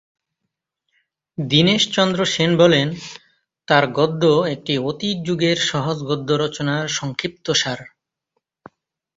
দীনেশ চন্দ্র সেন বলেন তার গদ্য একটি 'অতীত যুগের সহজ গদ্য রচনার সংক্ষিপ্তসার'।